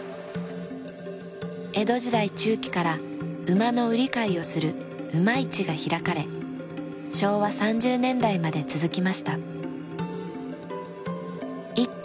江戸時代中期から馬の売り買いをする馬市が開かれ昭和３０年代まで続きました。